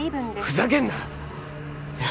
ふざけんな！